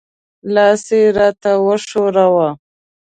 لاس یې را ته وښوراوه.